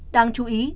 đáng chú ý